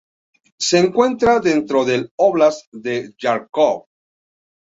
Se encuentra dentro del óblast de Járkov.